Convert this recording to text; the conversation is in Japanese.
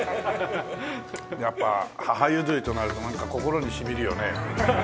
やっぱ母ゆずりとなるとなんか心に染みるよね。